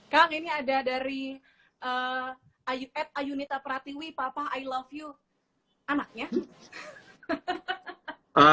kang ini ada dari ayunita pratiwi papa i love you anaknya